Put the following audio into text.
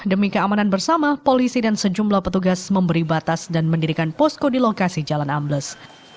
demi keamanan bersama polisi dan sejumlah petugas memberi batas dan mendirikan posko di lokasi jalan ambles